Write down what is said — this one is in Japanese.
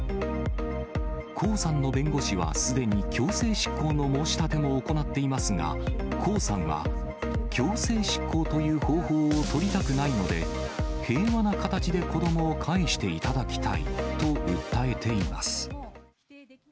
江さんの弁護士は、すでに強制執行の申し立てを行っていますが、江さんは、強制執行という方法を取りたくないので、平和な形で子どもをかえしていただきたいと訴えています。